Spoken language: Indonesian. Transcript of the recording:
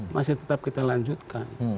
masih tetap kita lanjutkan